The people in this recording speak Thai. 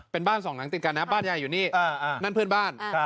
เป็นบ้านสองหลังติดกันนะบ้านยายอยู่นี่นั่นเพื่อนบ้าน